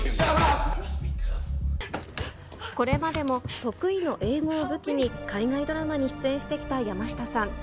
これまでも得意の英語を武器に、海外ドラマに出演してきた山下さん。